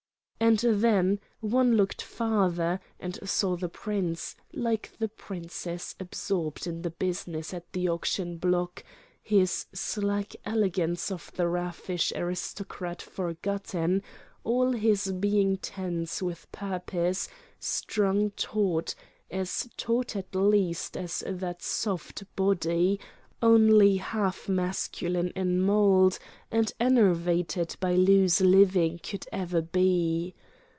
And then one looked farther, and saw the prince, like the princess, absorbed in the business at the auction block, his slack elegance of the raffish aristocrat forgotten, all his being tense with purpose, strung taut—as taut at least as that soft body, only half masculine in mould and enervated by loose living, could ever be.